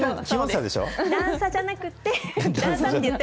段差じゃなくって。